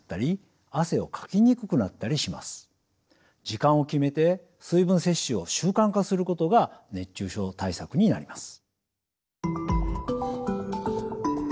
時間を決めて水分摂取を習慣化することが熱中症対策になります。